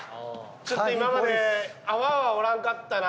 ちょっと今まで泡はおらんかったな。